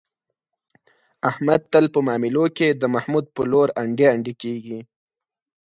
احمد تل په معاملو کې، د محمود په لور انډي انډي کېږي.